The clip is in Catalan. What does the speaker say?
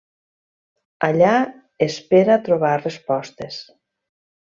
Allà, espera trobar respostes.